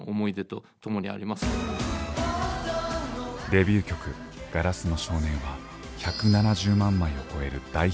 デビュー曲「硝子の少年」は１７０万枚を超える大ヒット。